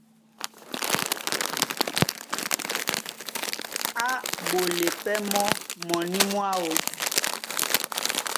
Á ɓole pɛ́ mɔ́ mɔní mwáō.